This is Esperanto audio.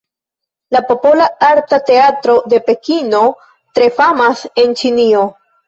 La Popola Arta Teatro de Pekino tre famas en Ĉinio.